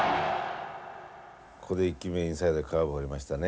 ここで１球目インサイドカーブ放りましたね。